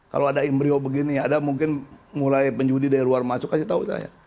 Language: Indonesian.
kalau ada imbryo begini ada mungkin mulai penjudi dari luar masuk kasih tahu saya